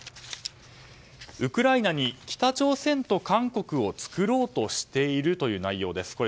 ウクライナに北朝鮮と韓国をつくろうとしているという内容です。